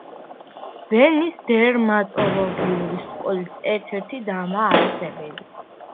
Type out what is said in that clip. ვენის დერმატოლოგიური სკოლის ერთ-ერთი დამაარსებელი.